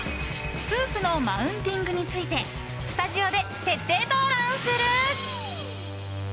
夫婦のマウンティングについてスタジオで徹底討論する！